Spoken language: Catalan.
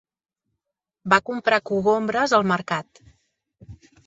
Va comprar cogombres al mercat.